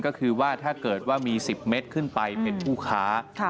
ก็คือว่าถ้าเกิดว่ามี๑๐เมตรขึ้นไปเป็นผู้ค้า